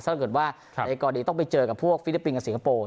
ถ้าเกิดว่าไอ้ก๋อดีต้องไปเจอกับพวกฟิลิปปินกเมื่อสีหาโปร